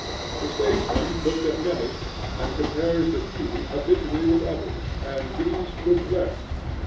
The statesman looks at many, and compares the few habitually with others, and these look less.